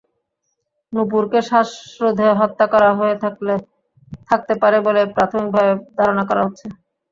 নূপুরকে শ্বাসরোধে হত্যা করা হয়ে থাকতে পারে বলে প্রাথমিকভাবে ধারণা করা হচ্ছে।